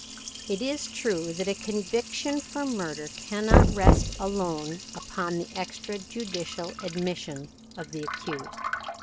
It is true that a conviction for murder cannot rest alone upon the extra judicial admission of the accused.